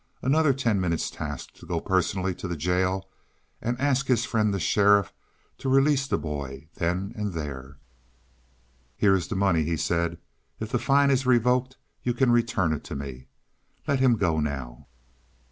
Another ten minutes' task to go personally to the jail and ask his friend, the sheriff, to release the boy then and there. "Here is the money," he said. "If the fine is revoked you can return it to me. Let him go now."